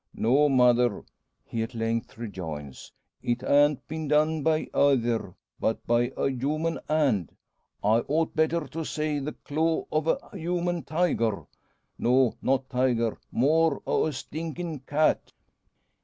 "No, mother!" he at length rejoins; "it han't been done by eyther; but by a human hand I ought better to say the claw o' a human tiger. No, not tiger; more o' a stinkin' cat!"